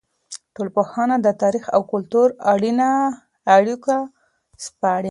ټولنپوهنه د تاریخ او کلتور اړیکه سپړي.